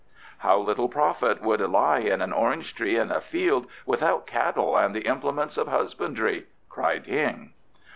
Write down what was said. "How little profit would lie in an orange tree and a field without cattle and the implements of husbandry!" cried Hing.